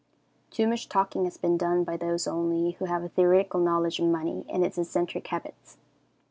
Too much talking has been done by those only who have a theoretical knowledge of money and its eccentric habits.